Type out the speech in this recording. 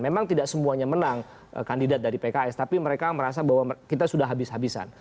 memang tidak semuanya menang kandidat dari pks tapi mereka merasa bahwa kita sudah habis habisan